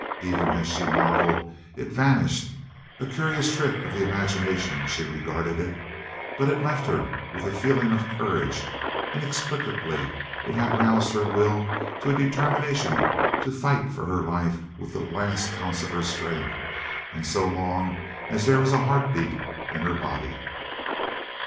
Even as she marveled it vanished a curious trick of the imagination she regarded it but it left her with a feeling of courage; inexplicably it had roused her will to a determination to fight for her life with the last ounce of her strength, and so long as there was a heart beat in her body.